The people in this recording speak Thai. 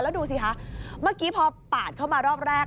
แล้วดูสิคะเมื่อกี้พอปาดเข้ามารอบแรก